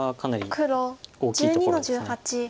黒１２の十八。